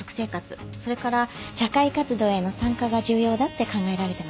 それから社会活動への参加が重要だって考えられてます。